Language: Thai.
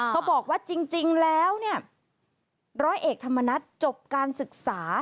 เขาบอกว่าจริงแล้วเนี่ยร้อยเอกธรรมนัฐจบการศึกษา